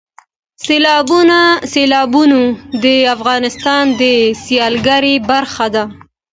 سیلابونه د افغانستان د سیلګرۍ برخه ده.